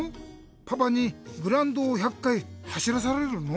パパにグラウンドを１００かいはしらされるの？